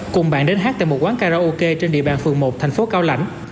cùng bạn đến hát tại một quán karaoke trên địa bàn phường một thành phố cao lãnh